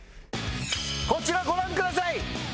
こちらご覧ください。